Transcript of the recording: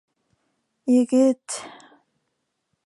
- Егет...